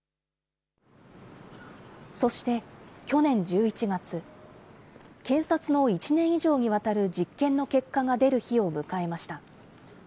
そして、去年１１月、検察の１年以上にわたる実験の結果が出る日を迎えました。